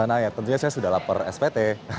nah ya tentunya saya sudah lapar spt